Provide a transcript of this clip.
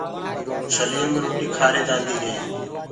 ڇليو مي روٽيٚ کآريٚ جآنٚديٚ هي